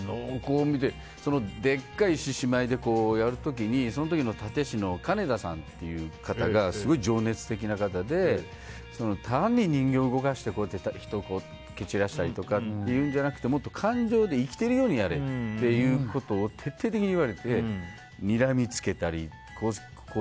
でっかい獅子舞でやる時にその時の殺陣師の方が、すごい情熱的な方で単に人形を動かして人を蹴散らしたりとかいうのではなくてもっと感情で生きてるようにやれっていうことを徹底的に言われて、にらみとか。